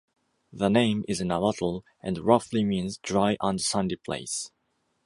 The name is Nahuatl and roughly means "dry and sandy place".